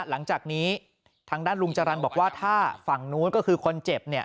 หลังจากนี้ทางด้านลุงจรรย์บอกว่าถ้าฝั่งนู้นก็คือคนเจ็บเนี่ย